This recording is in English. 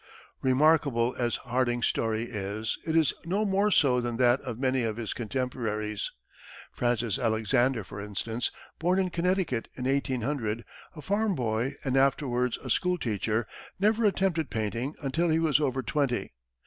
Remarkable as Harding's story is, it is no more so than that of many of his contemporaries. Francis Alexander, for instance, born in Connecticut in 1800, a farm boy and afterwards a school teacher, never attempted painting until he was over twenty.